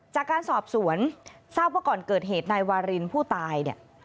จากการสอบสวนทราบว่าก่อนเกิดเหตุนายวารินผู้ตายเนี่ย